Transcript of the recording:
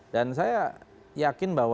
dan saya yakin bahwa